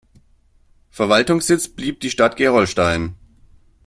Verwaltungssitz blieb die Stadt Gerolstein.